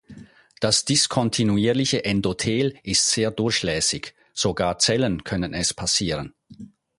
Das diskontinuierliche Endothel ist sehr durchlässig; sogar Zellen können es passieren.